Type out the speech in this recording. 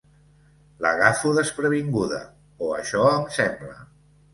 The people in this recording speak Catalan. L'agafo desprevinguda, o això em sembla.